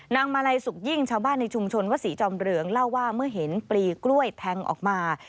มาลัยสุขยิ่งชาวบ้านในชุมชนวัดศรีจอมเหลืองเล่าว่าเมื่อเห็นปลีกล้วยแทงออกมา